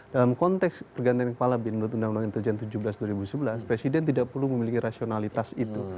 dalam konteks pergantian kepala bin untuk uu interjen tujuh belas dua ribu sebelas presiden tidak perlu memiliki rasionalitas itu